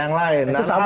nah itu sama